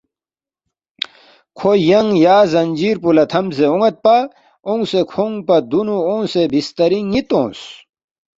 کھو ینگ یا زنجیر پو لہ تھمسے اون٘یدپا، اونگسے کھونگ پا دُونُو اونگسے بسترِنگ نِ٘ت اونگس